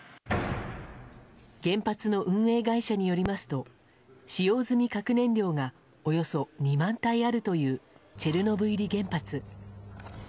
原発の運営会社によりますと使用済み核燃料がおよそ２万体あるというチェルノブイリ原発。